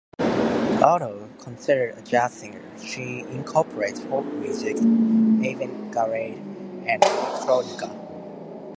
Although considered a jazz singer, she incorporates folk music, avant-garde, and electronica.